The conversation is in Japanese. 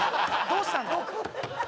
どうしたの？